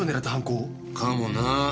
かもな。